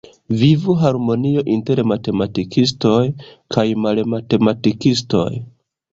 Vivu harmonio inter matematikistoj kaj malmatematikistoj!